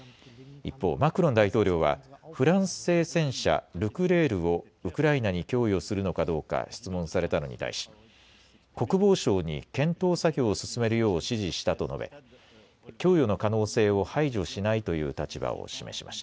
一方、マクロン大統領はフランス製戦車、ルクレールをウクライナに供与するのかどうか質問されたのに対し国防相に検討作業を進めるよう指示したと述べ供与の可能性を排除しないという立場を示しました。